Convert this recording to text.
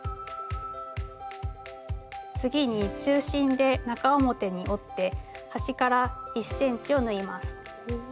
次に中心で中表に折って端から１ｃｍを縫います。